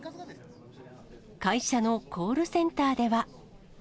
会社のコールセンターでは。